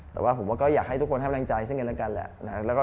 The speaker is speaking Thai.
แต่ผมก็อยากให้ทุกคนให้แม่งใจซึ่งกันแล้วกันแหละ